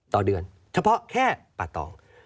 ต่อเดือนเฉพาะแค่ป่าตอง